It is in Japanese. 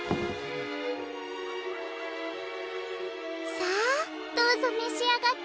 さあどうぞめしあがって。